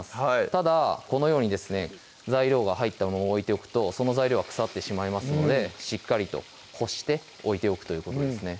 ただこのようにですね材料が入ったまま置いておくとその材料が腐ってしまいますのでしっかりとこして置いておくということですね